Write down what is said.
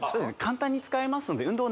簡単に使えますので運動